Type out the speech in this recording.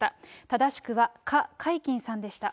正しくは、かかいきんさんでした。